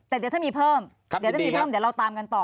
แต่เดี๋ยวถ้ามีเพิ่มเดี๋ยวจะมีเพิ่มเดี๋ยวเราตามกันต่อ